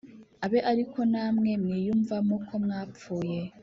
Abe ari ko namwe mwiyumvamo ko mwapfuye